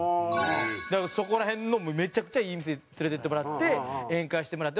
そこら辺のめちゃくちゃいい店に連れて行ってもらって宴会してもらって。